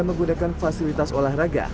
menggunakan fasilitas olahraga